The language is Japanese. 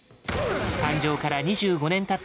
誕生から２５年たった